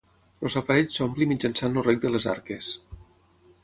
El safareig s'omple mitjançant el rec de les Arques.